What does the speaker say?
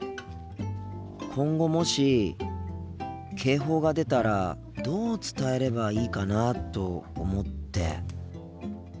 今後もし警報が出たらどう伝えればいいかなと思って。